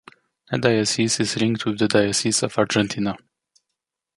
The diocese is linked with the Diocese of Argentina.